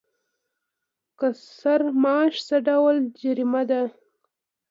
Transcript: کسر معاش څه ډول جریمه ده؟